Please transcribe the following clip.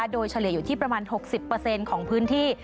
โดยเฉลี่ยอยู่ที่ประมาณ๖๐ของพื้นที่